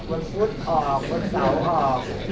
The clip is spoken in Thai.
วันฟุตออกวันเสาร์ออกไม่ใช่